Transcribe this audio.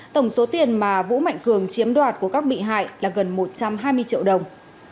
tổng số tiền mà vũ mạnh cường chiếm đoạt của các bị hại là gần một trăm hai mươi triệu đồng